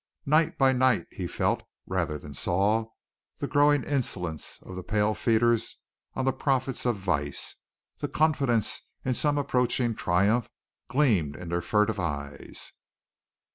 Night by night he felt, rather than saw, the growing insolence of the pale feeders on the profits of vice, the confidence in some approaching triumph gleaming in their furtive eyes.